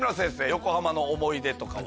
横浜の思い出とかは？